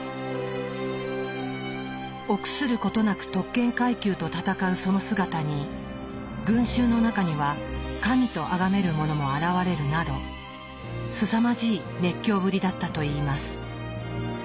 臆することなく特権階級と戦うその姿に群衆の中には神とあがめる者も現れるなどすさまじい熱狂ぶりだったといいます。